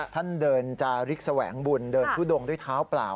ท่านเดินจาริกแสวงบุญเดินทุดงด้วยเท้าเปล่า